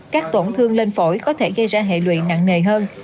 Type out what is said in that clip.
các tổn thương lên phổi có thể gây ra hệ lụy nặng nề hơn